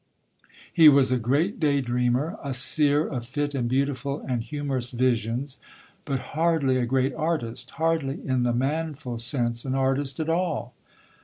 He was a great day dreamer, a seer of fit and beautiful and humorous visions, but hardly a great artist; hardly, in the manful sense, an artist at all."